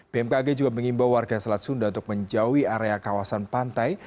bmkg juga mengimbau warga selat sunda untuk menjauhi area kawasan pantai